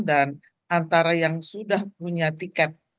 dan antara yang sudah punya tiket